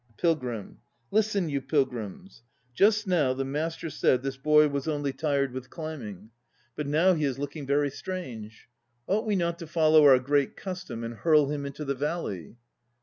PILGRIM. Listen, you pilgrims. Just now the Master said this boy was only 194 THE NO PLAYS OF JAPAN tired with climbing. But now he is looking very strange. Ought we not to follow our Great Custom and hurl him into the valley?